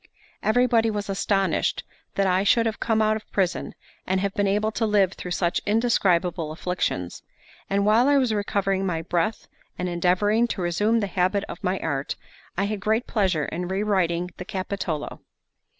Everybody was astonished that I should have come out of prison and have been able to live through such indescribable afflictions; and while I was recovering my breath and endeavouring to resume the habit of my art, I had great pleasure in re writing the Capitolo.